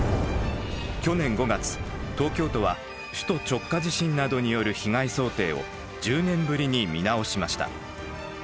去年５月東京都は首都直下地震などによる被害想定を１０年ぶりに見直しました。